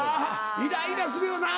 イライラするよな